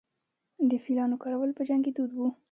د فیلانو کارول په جنګ کې دود و